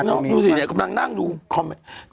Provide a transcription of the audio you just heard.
นี่สิเดี๋ยวกำลังนั่งดูคอมเมตร